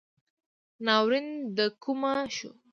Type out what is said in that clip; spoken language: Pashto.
ناورین دکومه شو